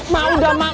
mak udah mak